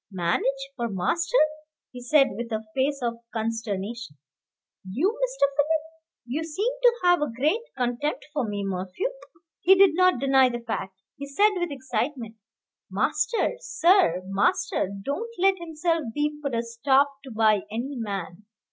"Manage for master," he said, with a face of consternation. "You, Mr. Philip!" "You seem to have a great contempt for me, Morphew." He did not deny the fact. He said with excitement, "Master, sir, master don't let himself be put a stop to by any man.